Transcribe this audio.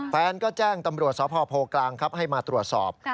แฟนก็แจ้งตำรวจสพโพกลางครับให้มาตรวจสอบ